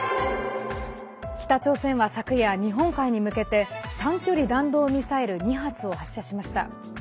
北朝鮮は昨夜、日本海に向けて短距離弾道ミサイル２発を発射しました。